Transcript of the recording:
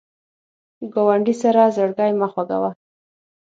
ګاونډي سره زړګی مه خوږوه